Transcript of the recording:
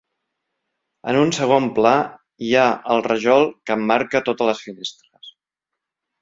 En un segon pla, hi ha el rajol que emmarca totes les finestres.